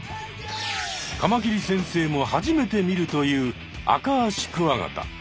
カマキリ先生も初めて見るというアカアシクワガタ。